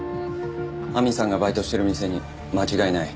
亜美さんがバイトしてる店に間違いない？